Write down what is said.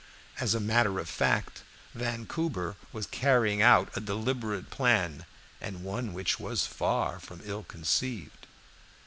As a matter of fact, Vancouver was carrying out a deliberate plan, and one which was far from ill conceived.